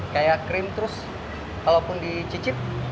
kayak krim terus kalaupun dicicip